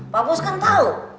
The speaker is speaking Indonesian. pak bos kan tau